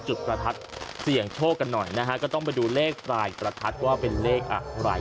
จุดประทัดเสี่ยงโชคกันหน่อยนะฮะก็ต้องไปดูเลขปลายประทัดว่าเป็นเลขอะไร